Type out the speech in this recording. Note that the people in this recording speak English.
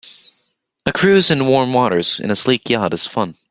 A cruise in warm waters in a sleek yacht is fun.